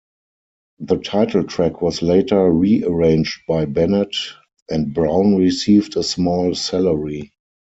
The title track was later rearranged by Bennett, and Brown received a small salary.